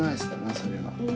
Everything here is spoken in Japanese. それは。